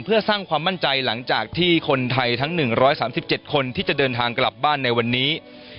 เพื่อสร้างความมั่นใจหลังจากที่คนไทยทั้ง๑๓๗คนที่จะเดินทางกลับบ้านในวันนี้